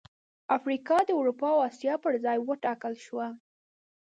افریقا د اروپا او اسیا پر ځای وټاکل شوه.